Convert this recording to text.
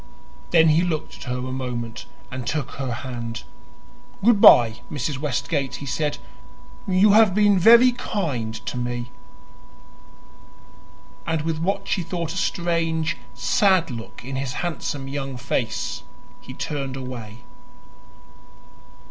Then he looked at her a moment and took her hand. "Goodbye, Mrs. Westgate," he said. "You have been very kind to me." And with what she thought a strange, sad look in his handsome young face, he turned away.